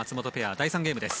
第３ゲームです。